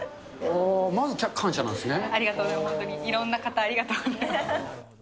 まず感謝なんですね。